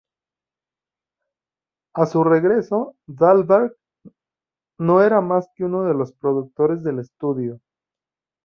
A su regreso, Thalberg no era más que uno de los productores del estudio.